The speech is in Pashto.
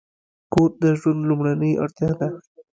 کور د ژوند لومړنۍ اړتیا ده.